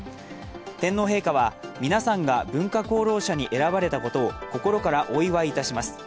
天皇陛下は皆さんが文化功労者に選ばれたことをここからお祝いいたします